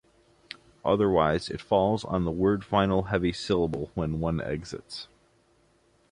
Otherwise, it falls on the word-final heavy syllable when one exists.